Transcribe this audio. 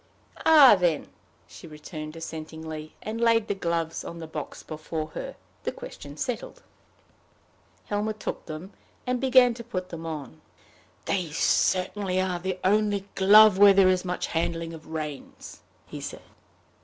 "Ah, then!" she returned, assentingly, and laid the gloves on the box before her, the question settled. Helmer took them, and began to put them on. "They certainly are the only glove where there is much handling of reins," he said.